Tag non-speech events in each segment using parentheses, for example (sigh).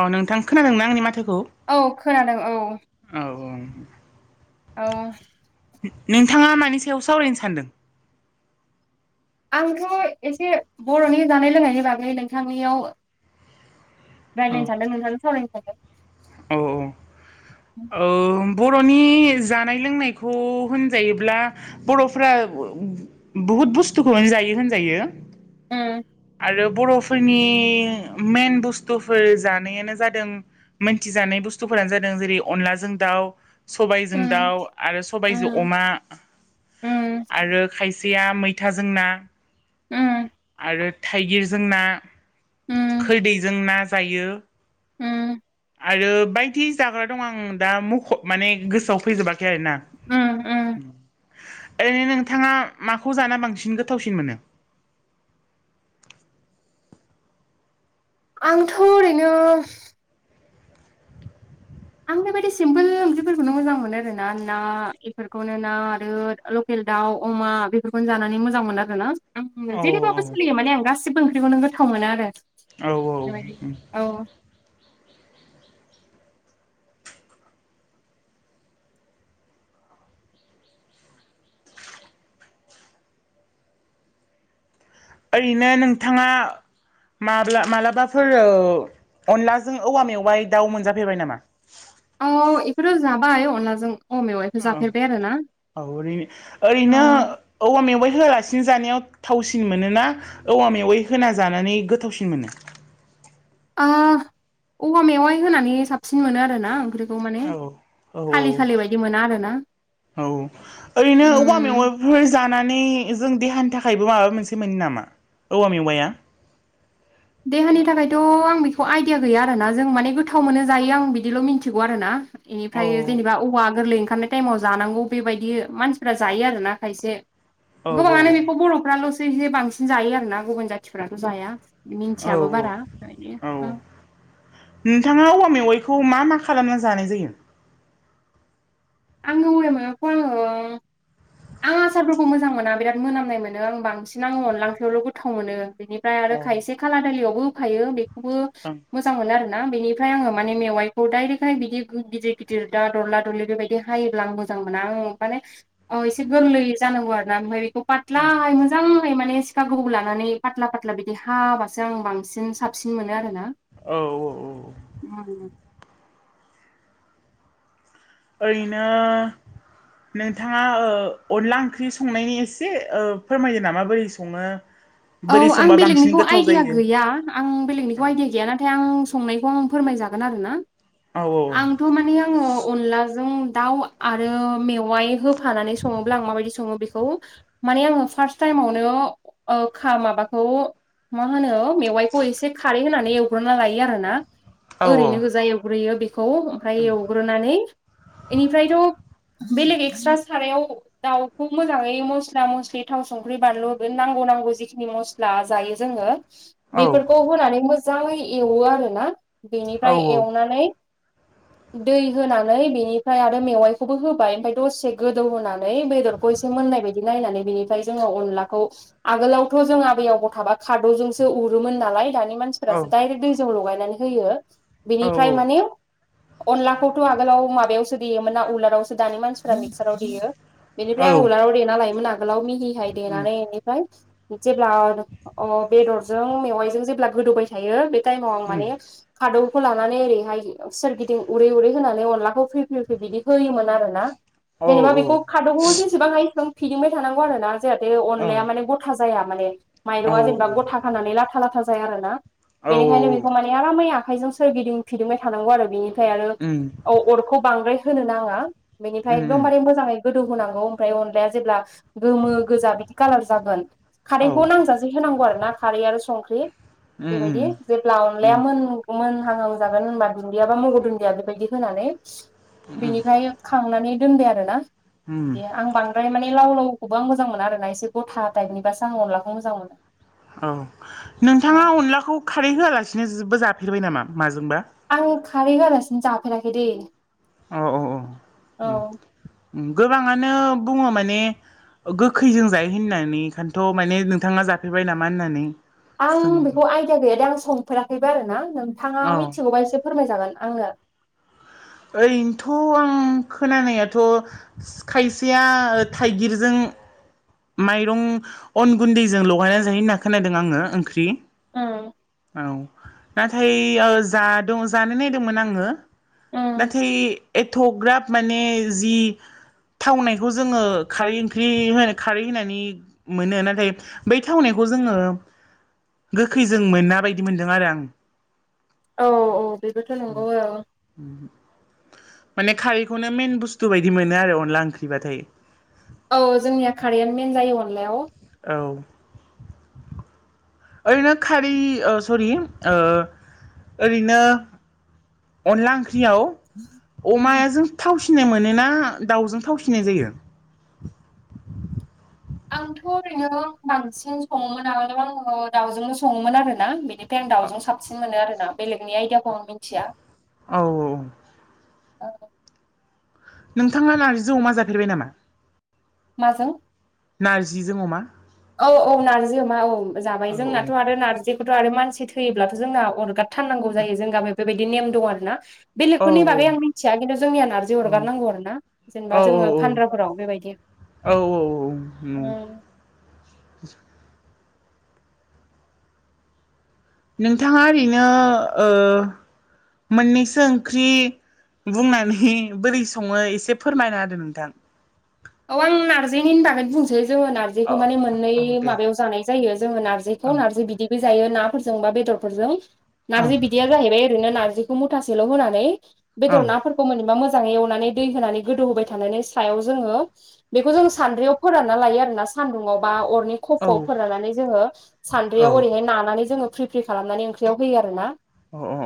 औ नोंथां खोनादोंमोन आंनि माथाइखौ औ खोनादों औ (inaudible) औ नोंथाङा मानि सायाव सावरायनो सानदों आंथ' एसे बर'नि जानाय लोंनायनि बागै नोंथांनियाव औ रायज्लायनो सानदों नोंथां सावरायनो सानादों औ औ औ बर'नि जानाय लोंनायखौ होनजायोब्ला बर'फ्रा बुहुत बुस्थुखौ जायो होनजायो उम आरो बर'फोरनि मेन बुस्थुफोर जानायानो जादों मोनथिजानाय बुस्थुफोरानो जादों जेरै अनलाजों दाउ उम सबायजों दाउ आरो सबायजों उम अमा आरो खायसे दैया मैथाजोंना उम आरो थाइगिरजों ना उम खोरदैजों ना जायो उम आरो बायदि जाग्रा दं आं दा मख' माने गोसोआव फैजोबाखै आरोना उम उम ओरैनो नोंथाङा माखौ जाना बांसिन गोथावसिन मोनो (inaudible) आंथ' ओरैनो आं बेबायदि सिम्पोल ओंख्रिफोरखौनो मोजां मोनो आरोना ना बेफोरखौनो ना आरो लकेल दाउ अमा बेफोरखौनो जानानै मोजां मोनो आरो ना आं औ जेरैबाबो सोलियो माने आं गासिबो ओंख्रिखौनो गोथाव मोनो आरो औ औ बेबायदि औ ओरैनो नोंथाङा माब्ला माब्लाबाफोर अनलाजों औवा मेवबाय दाउ मोनजाफैबाय नामा? औ बेखौथ' जाबायय अनलाजों। अ मेवाइखौ औ जाफेरबाय आरो ना औ ओरै औ ओरैनो औवा मेवाइ। होआलासिनो जानायाव थावसिन मोनोना औवा मेवाय होना जानानै गोथावसिन मोनो। ओ औवा मेवाइ होनानै साबसिन मोनो आरोना ओंख्रिखौ़। खौ माने औ औ खालि औ खालि बायदि मोना आरोना। औ ओरैनो औवा उम मेवाफोर जानानै। जाना नै जों देहानि थाखायबो माबा मोनसे मोनो नामा औवा मेवाया। देहानि थाखायथ' आं बेखौ आइदिया गैया आरोना जों माने गोथाव मोनो जायो आं बिदिल' मिथिगौ आरोना। बेनिफ्राय औ जेनेबा औवा गोरलै। ओंखारनाय टाइमाव जानांगौ बेबायदि मानसिफ्रा जायो आरोना खायसे। औ गोबाङानो बेखौ बर'फ्राल'सो बिनो बांसिन जायो आरो ना गुबुन जाथिफथ' जाया। औ मिन्थियाबो औ बारा औ ओंखायनो नोंथाङा औवा मेवाइ। खौ मा मा खालामना जानाय जायो। आं (unintelligible) आं आसारफोरखौ मोजां मोना बिराद मोनामनाय मोनो आं बांसिन आङो अनला ओख्रिआवल' गोथाव मोनो। बेनिफ्राय आरो औ खायसे खाल दालियावबो होखायो बेखौबो औ मोजां मोनो आरोोना बेनि। फ्राय आो मानेवाइखौ दाइरेक्। फ्राय बिदि गिदिर गिदिर दा दरला दरलि बेबायदि हायोब्ला आं मोजां मोना आं माने। औ एसे गोरलै जानांगौ आरो ना ओमफ्रायाय बेखौ फाथ्लााय मोजांयै माने। सिखा गोबौ लानानै फत्ला फत्ला बिदि हाबासो आं बांसिन साबसिन मोनो आरो। औ औ औ (unintelligible) ओरनो। नोंथाङा अनला ओंख्रि संनायनि एसे फोरमायोायो नामा बोरै सङो। औ बोरै आं संबा बांसिन बेलेगनिखौ गोथाव आइदििया जायो गैया आं बेलेगनिखौ आइदििया गैया ना नाथाय आं संनायखौ आं फोरमायजागोन आरोोना औ आंथ' माने आङो अनलाजों। दाउ आरो मेवाइ होफानानै सङोब्ला आं माबायदि सङो बेखौ। मान आो फार् टाइमावनो। अखा माबाखौ मा होनो मेवाइखौ एसे खारै होनानै एवग्रोना लायो आरोोना। औ ओरैनो गोजा एवग्रोयो बेखौ ओमफफ्राय एवग्रोनानै इनिफ्रायथ'। बे लोगो एक्सट्रा सारायाव दाउखौ मोजाङै मस्ला मस्लि थाव संख्रि बानलु होगोन नांगौ नांगौ जिखि सिनि मस्ला जायो जोङो औ बेफोरखौ होनानै मोजाङै एवो आरो ना। औ बेनिफ्राय एवनानै दै होनानै बेनिफ्राय आरो मेवाइखौबो होबाय ओमफ्राय दसे गोदौ होनानै बेदरखौ एसे मोन नाय ब नायनानैनि ज अखौ आमोलाव खथ' जों आबै आबौ थाबा खादौजोंसो उरोमोन नालाय दानि मानसिफोरासो औ दडाइरेक्ट दैजों लगाय। औ बिनिफ्राय म औ अनलाखौथ' आगोलाव माबायावसो देयोमोन ना उलारावसो दानि मानसिफ्रा मिक्साराव देयो। बेनिफ्राय आं औ उलाराव देना लायोमोन आगोलाव मिहिहाय उम देनानै बेनिफ्राय। जेब्ला अ बेदरजों मेवाइजों जेब्ला गोदौबाय थायो बे मं उम माने खाद खौखौ लानानै ओरैहाय सोरगिदिं उरै उरै होनानै अनलाखौ फ्रि फ फ्रि बिदि होयोमोन आरो ना। औ जेनेबा बेखौ औ खादबखौ जेसेबां हायसेबां फिदिंबाय थानांगौ आरो ना जाहाथे अनलाया औ माने‌। जाया माने औ माइरंा जेनेबा गथा खानानै लाथा लाथा जाया आरो ना। औ औ बेनिखायनो बेखौ माने आरामै आखाइजों सोरगिदिं फिदिुंबाय थानांगौ आरो बिनि आरो उम अरखौ बांद्राय होनो नाङा बेनिफ्राय उम एकदमबारे मोजाङै गोदौ होनांगौ ओमफ्राय अनलाया जेब्ला गोमो गोजा बिदि कालार जागोन। औ खारैखौ उम नांजासे होनांगौ आरो ना खारै आरो संख्रि। बेबायदि उम जेब्ला अनलाया उम मोन मोन। जागोन द बा म दुबायदि होननानै उम बिनि दोनबाय आरो ना उम बिदि आं बांद्राय माने लाव लावखौबो आं मोजां मोना आरोना एसे गथाब दाइटनिासो आं अनलाखौ मोां मोनो औ नोंथाङा अनलाखौ खारै होआलासिनोबो जाफेरबाय नामा माजोंबा आं खाबै गलासिनो जाफेराखै दे अ औ औ गोबाङानो बुङो माने गोखैजों जायो होननानै ओंखायथ' माने नोंथाङा जाफेरबाय नामा होननानै आं जों बेखौ आइदिया गैया दे आं संफेराखैबो आरोना नोंथाङा औ मिथिगौबा एसे फोरमायजागोन आङनो ओरैनोथ' आं खोनानायाथ' खायसेया थाइगिरजों (inaudible) माइरं अन गुन्दैजों लगायनानै जायो होनना खोनादों आङो ओंख्रि उम औ नाथाय ओ जा द जानो नायदोंमोन आङो उम नथ्थाय एथग्राब माने जि थावनायखौ जोङो खारै ओंख्रि हो खारै होनानै मोनो नाथाय बै थावनायखौ खौ जोङो गोखैजों मोना बायदि मोनदों आरो आं औ औ बेबोथ नंगौ औ माने खारैखौनो मेन बुस्थु बायदि मोनो आरो अनला ओंख्रिबाथाय औ जोंनिया खारैआानो मेन जायो अनलायाव औ ओरैनो खारै ओ सरि ओ ओरैनो अनला ओंख्रियाव उम अमायाजों थावसिनाय मोनोना ना दाउजों थावसिननाय जायो आंथ ओरैनो बांसिन सङोमोन आगोलाव आङो दाउजोंबो सङोमोन आरोना बेनि ओमफ्राय आं दाउजों साबसिन मोनो आरो ना बेलेगनि आइदियाखौ आं मिन्थिया औ औ औ नोंथाङा नारजि जों अमा जाफेरबाय नामा माजों नारजि जों अमा औ औ नारजि अमा औ जाबाय जोंनाथ औ आरो नारजि थ आरो मानसि थैयोब्लाथ जोंना अरगार थारनांगौ जायो जों गामियाव बेबायदि नेम दं आरो ना औ बेलेगफोरनि बागै आं मिन्थिया खिन्थु जोंनिया नारजि औ अरगारनांगौ आरोना जेनेबा जोङो औ औ फानग्राफोराव बेबायदि औ औ औ उम (unintelligible) नोंथाङा ओरैनो ओ‌‌ मोननैसो ओंख्रि बुंनानै बोरै सङो एसे फोरमायना होदो नोंथां औ आं नारजि निनो बागैनो बुंनोसै जोङो अ औ नारजैखौ माने मोननै दे माबायाव जानाय जायो जोङो नारजैखौ ओं नारजै बिदैबो जायो नाफोरजों बा बेदरफोरजों ओं नारजि बिदैया जाहैबाय ओरैनो नारजैखौ मुथासेल होनानै ओं बेदर नाफोरखौ मोनबा मोजाङै एवनानै दै होनानै गोदौ होबाय थानानै सायाव जोङो बेखौ जों सान्द्रियाव फोरानना लायो आरोना सान्दुंङाव बा अर औ खफआव फोराननानै‌ जोङो औ सानद्रैयाव ओरैहाय नानानै जोङो फ्रि फ्रि खालामनानै ओंख्रियाव होयो आरोना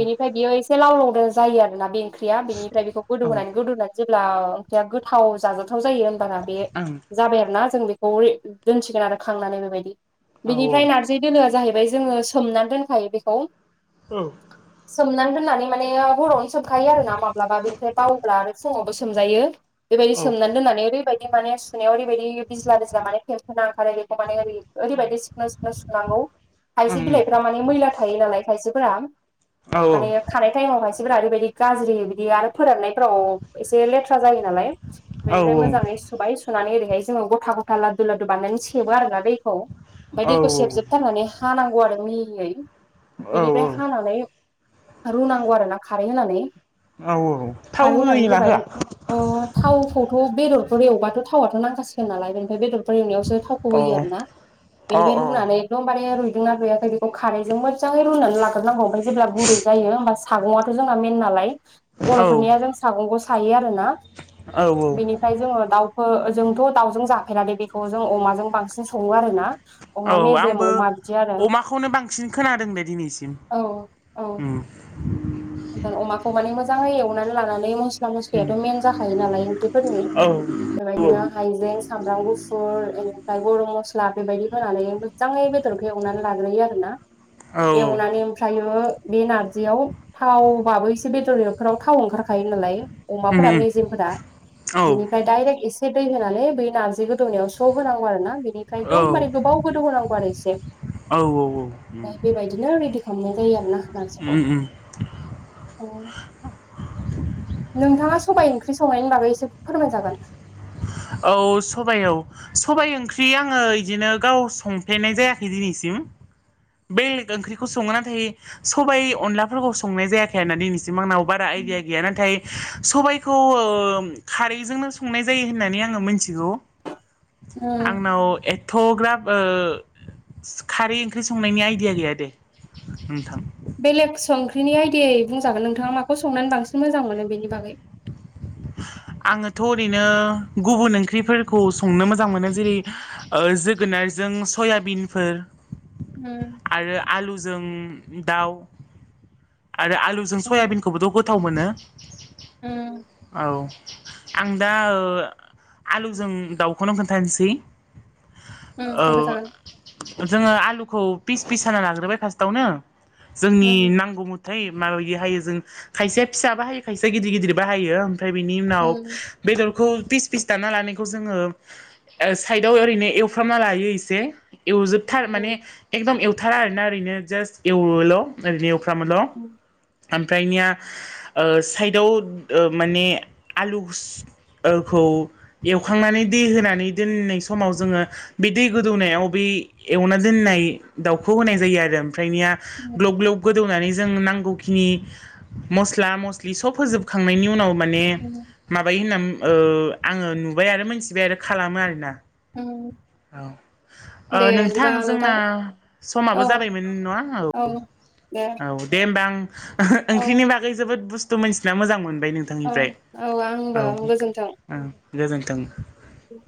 बिनिफाय बेयाव एसे लाव लाव दो जायो आरोना बे ओंख्रिया बेनिफ्राय बेखौ गोदौ औ ओं होनानै गोदौनानै जेब्ला ओंख्रिया गोथाव जाजाथाव जायो होनबाना बे जाबाय आरो ना जों बेखौ दोनसिगोन आरो खांनानै बेबायदि औ बेनिफ्राय ओं नारजै दोलोआ जाहैबाय जोङो सोमनानै दोनखायो बेखौ औ सोमना दोन दोननानै माने हरावनो सोमखायो आरो ना माब्लाबा बेनिफ्राय बावोब्ला आरो फुङावबो सोमजायो बेबायदि सोमनानै दोननानै ओरैबायदि माने सुनायाव ओरैबायदि बिज्ला बिज्ला माने फेमखोना ओंखारो बेखौ माने ओरै ओरैबायदि सिख्न सिख्न सुनांगौ खायसे बिलाइफोरा माने मैला थायो नालाय खायसेफोरा औ माने खानाय टाइमाव खायसेफोरा ओरैबायदि गाज्रि बिदि आरो फोराननायफ्राव एसे लेथ्रा जायो नालाय औ बेनिफ्राय औ मोजाङै सुबाय सुनानै ओरैहाय जोङो गथा गथा लादु लादु बानायनानै सेबो आरो ना दै खौ ओमफाय औ दैखौ सेबजोबथारनानै हानांगौ आरो मिहियै। औ बिनिफ्राय हानानै रुनांगौ आरो ना खारै होनानै औ औ थाव खारै होननानै होयोना रुबाय होआ? अ थावखौथ' बेदर एवबाथ' थावाथ' नांखासिगोन नालाय बेनिफाय बेदर खौ एवनायावसो थावखौ अ होयो आरोना। अ बेनिफ्राय अ रुनानै एकदमबारे रुइदोंना रुइयाखै बेखौ खारैजों मो जांङै रुनानै लाग्रोनांगौ ओमफ्राय जेब्ला गुरै जायो होमबा सागुंआथ' जोंना मेन नालाय औ बर'फोरनिया जों सागंखौ सायो आरोना। औ बेनिफ्राय जोङो ओ जोंथ दाउजों जाफेरादै बेखौ जों अमाजों बांसिन सङो आरो ना औ अमा मेजेम आंबो अमा बिदि आरो अमाखौनो बांसिन खोनादों दे दिनैसिम औ औ। उम जों अमाखौ माने मोजाङै एवनानै लानानै मस्ला उम मस्लियाथ' मेन जाखायो नालाय ओंख्रिफोरनि। औ बेबायदिनो हाइजें सामब्राम गुफुर बेनिफ्राय गरम मस्ला बेबायदि होनानै मोजाङै बेदरखौ एवनानै लाग्रोयो आरो ना। औ एवनानै ओमफ्रायो बे नारजियाव थावबाबो एसे बेदरफोराव थाव ओंखारखायो नालाय उम अमाफोरा उम मेजेमफोरा औ बिनिफाय दडाइरेक्ट एसे से दै होनानै बै नारजि गोदौनायाव स' होनांगौ आरो ना बेनिफ्राय औ एकदम माने गोबाव गोदौ होनांगौ आरो एसे। औ फाय बेबायदिनो रेडि खालामनाय जायो आरोना। ओम ओम। (unintelligible) नोंथाङा सबाय ओंख्रि संनायनि बागै एसे फोरमाय जागोन? औ सबाइयाव, सबाइ ओंख्रि आङो इदिनो गाव संफेरनाय जायाखै दिनैसिम। (inaudible) बे ओंख्रिखौ सङो। नाथाय सबाइ अनलाफोरखौ संनाय जायाखै आरोना दिनैसिम। आंनाव बारा आइदिया गैया, नाथाय सबायखौ ओ खारैजोंनो संनाय जायो होननानै आङो मिथिगौ। उम आंनाव ए थ'ग्रााब ओ खारै ओंख्रि संनायनि आइडिया गैया दे नोंथां। बेलेग सं ओंख्रिनि आइदियै बुंजागोन नोंथाङा माखौ संनानै बांसिन मोजां मोनो बेनि बागै। (inaudible) आङोथ' ओरैनो गुबुन ओंख्रिफोरखौ संनो मोजां मोनो जेरै ओ जोगोनार जों सयाबिनफोर उम आरो आलुजों दाउ आरो आलुजों सयाबिनखौबोथ' गोथाव मोनो। ओम। औ आं दा ओ आलुजों दाउखौनो खोन्थानोसै उम औ खोन्थाजागोन जोङो आलुखौ फिस फिस साना लाग्रोबाय फार्स्टआवनो जोंनि उम नांगौ मथै माबाय दि हायो जों खायसेया फिसाबो हायो खायसेया गिदिर गिदिरबो हायो। ओम फाय बिनि उनाव उम बेदरखौ फिस फिस दाना लानायखौ जोङो साइदाव ओरैनो एवफ्रामना लायो एसे। एवजोबथार माने एकदम एवथारा आरोना ओरैनो जास्ट एवोल ओरैनो एव फ्रामोल'। उम ओमफ्रायनिया ओ साइदाव ओ माने आलुखसओखौ एवखांनानै दै होनानै दोननाय समाव जोङो बे दै गोदौनायाव बे एवना दोननाय दाउखौ होनाय जायो आरो। ओमफ्रायनिया उम ग्लब ग्लब गोदौनानै जों नां गौखिनि मस्ला मस्लि सब होजोबखांनायनि उनाव माने उम माबायो होनना ओ आङो नुबाय आरो मोनथिबाय आरो खालामो आरोना औ औ ओ नोंथां जोंना औ समाबो जाबायमोन नङा औ दे औ दे होमबा आं औ ओंख्रिनि बागै जोबोद बुस्थु मोनथिना मोजां मोन ओमफ्राय औ नोंथांनिफ्राय औ आंबो औ औ गोजोन्थों औ (unintelligible)